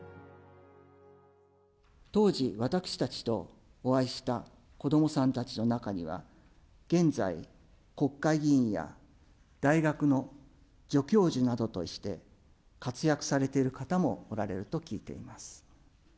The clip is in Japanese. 当時私たちとお会いした子どもさんたちの中には、現在、国会議員や大学の助教授などとして活躍されている方もおられると聞いています。